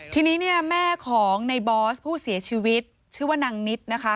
ทีนี้เนี่ยแม่ของในบอสผู้เสียชีวิตชื่อว่านางนิดนะคะ